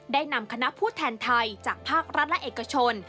ได้นำคณะผู้แทนไทยจากภาครัฐและเอกชน